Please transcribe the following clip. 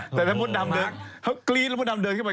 แต่ถ้ามดดำเดินเขากรี๊ดแล้วมดดำเดินขึ้นไป